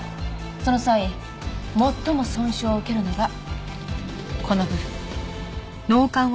その際最も損傷を受けるのがこの部分。